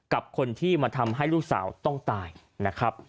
กับคนที่มาทำให้ลูกสาวต้องตายนะครับ